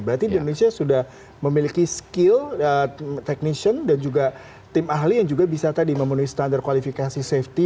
berarti di indonesia sudah memiliki skill technistion dan juga tim ahli yang juga bisa tadi memenuhi standar kualifikasi safety